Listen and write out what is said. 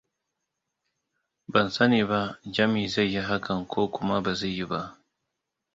Ban sani ba Jami zai yi hakan ko kuma ba zai yi ba.